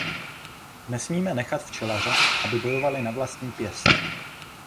Nesmíme nechat včelaře, aby bojovali na vlastní pěst.